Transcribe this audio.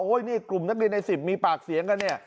นี่กลุ่มนักเรียนใน๑๐มีปากเสียงกันเนี่ย